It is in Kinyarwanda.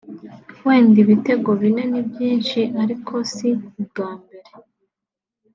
wenda ibitego bine ni byinshi ariko si ubwa mbere